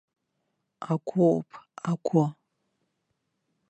Агәоуп, агәы!